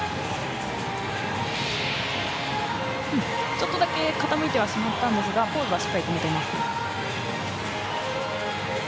ちょっとだけ傾いてはしまったんですがポーズはしっかり決めていますね。